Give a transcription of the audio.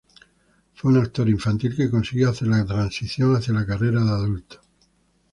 Fue un actor infantil que consiguió hacer la transición hacia la carrera de adulto.